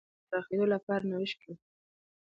شرکتونه د بازار د پراخېدو لپاره نوښت کوي.